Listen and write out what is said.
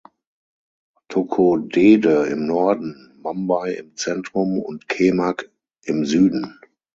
Tokodede im Norden, Mambai im Zentrum und Kemak im Süden.